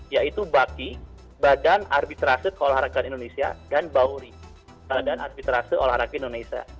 yaitu bagi badan arbitrase keolahragaan indonesia dan bauri badan arbitrase keolahragaan indonesia